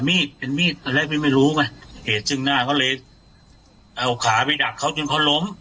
มีดเป็นมีดอันแรกพี่ไม่รู้ไงเหตุซึ่งหน้าเขาเลยเอาขาไปดักเขาจนเขาล้ม